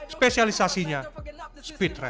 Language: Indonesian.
spesialisasinya speed rap